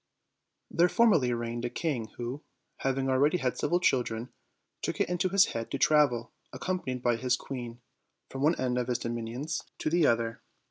THERE formerly reigned a king who, having already had several children, took it into his head to travel, ac companied by his queen, from one end of his dominion^ I Otto, OLD TALE& 35 to the other.